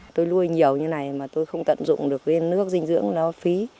tôi nuôi nhiều như này mà tôi không tận dụng được cái nước dinh dưỡng nó phí